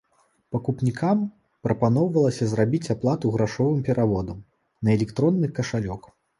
Пакупнікам прапаноўвалася зрабіць аплату грашовым пераводам на электронны кашалёк.